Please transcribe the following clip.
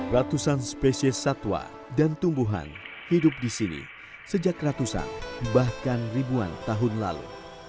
ratusan spesies satwa dan tumbuhan hidup di sini sejak ratusan bahkan ribuan tahun lalu